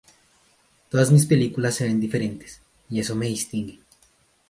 Todas mis películas se ven diferentes, y eso me distingue.